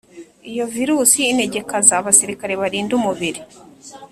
Iyo virusi inegekaza abasirikare barinda umubiri